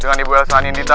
dengan ibu elsa and indita